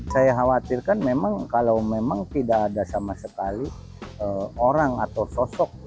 saya khawatirkan memang kalau memang tidak ada sama sekali orang atau sosok